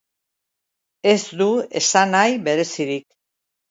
Ez du esanahi berezirik.